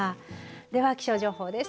では気象情報です。